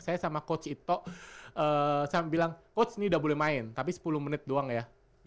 saya sama coach itu bilang coach ini udah boleh main tapi sepuluh menit doang ya